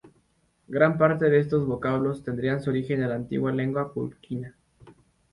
Gran parte de estos vocablos tendrían su origen en la antigua lengua puquina.